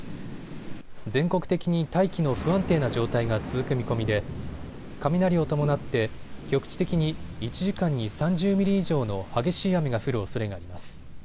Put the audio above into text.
全国的に大気の不安定な状態が続く見込みで雷を伴って局地的に１時間に３０ミリ以上の激しい雨が降るおそれがあります。